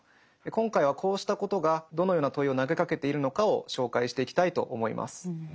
今回はこうしたことがどのような問いを投げかけているのかを紹介していきたいと思います。